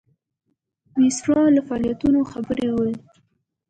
ویسرا له فعالیتونو خبر وو.